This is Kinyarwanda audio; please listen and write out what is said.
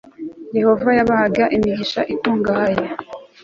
yehova yabahaga imigisha ikungahaye